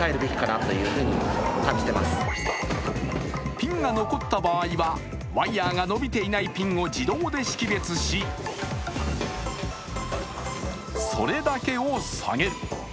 ピンが残った場合はワイヤーが伸びていないピンを自動で識別しそれだけを下げる。